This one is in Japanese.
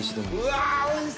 うわ！